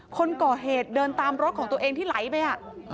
คนก่อเหตุเดินตามรถของตัวเองที่ไหลไป